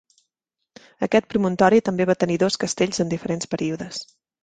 Aquest promontori també va tenir dos castells en diferents períodes.